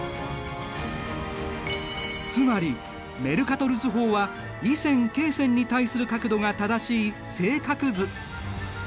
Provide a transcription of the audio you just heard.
つまりメルカトル図法は緯線・経線に対する角度が正しい正角図。